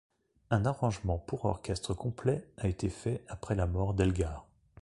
Un arrangement pour orchestre complet a été fait après la mort d'Elgar.